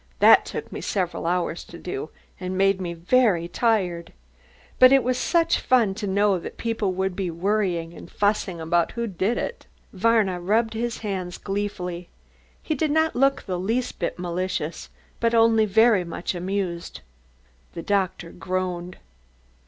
That took me several hours to do and made me very tired. But it was such fun to know that people would be worrying and fussing about who did it." Varna rubbed his hands gleefully. He did not look the least bit malicious but only very much amused. The doctor groaned.